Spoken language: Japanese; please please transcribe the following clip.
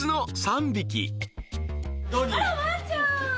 あらワンちゃん。